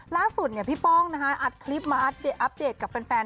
ล่าสุดพี่ป้องอัดคลิปมาอัปเดตกับเพื่อนแฟน